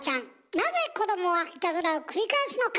なぜ子どもはいたずらを繰り返すのか！